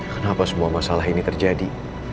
kenapa semua masalah ini terjadi